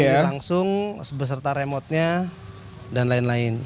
sudah built in langsung beserta remote nya dan lain lain